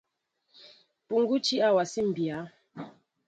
Mpuŋgu tí a wasí mbya.